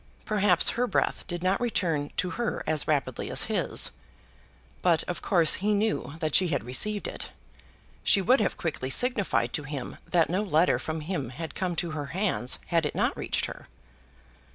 Perhaps her breath did not return to her as rapidly as his. But, of course, he knew that she had received it. She would have quickly signified to him that no letter from him had come to her hands had it not reached her.